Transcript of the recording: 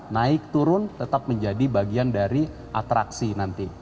naik turun tetap menjadi bagian dari atraksi nanti